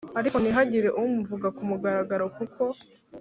Ariko ntihagira umuvuga ku mugaragaro kuko